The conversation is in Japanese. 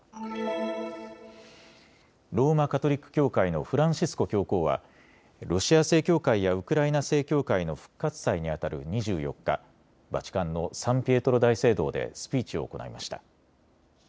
ローマ・カトリック教会のフランシスコ教皇はロシア正教会やウクライナ正教会の復活祭にあたる２４日、バチカンのサンピエトロ大聖堂でスピーチを行いました。